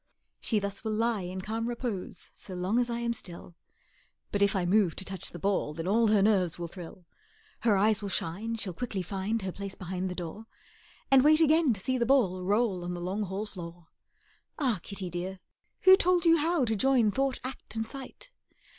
She thus will lie in calm repose So long as I am still; But if I move to touch the ball, Then all her nerves will thrill, Her eyes will shine, she'll quickly find Her place behind the door, And wait again to see the ball Roll on the long hall floor. Ah, kitty dear, who told you how To join thought, act, and sight?